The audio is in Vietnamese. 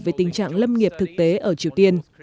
về tình trạng lâm nghiệp thực tế ở triều tiên